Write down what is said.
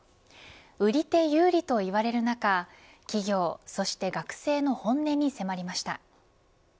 売り手有利といわれる中企業、そして学生の本音に迫りました。